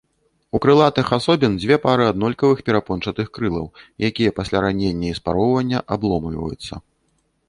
У крылатых асобін дзве пары аднолькавых перапончатых крылаў, якія пасля раення і спароўвання абломліваюцца.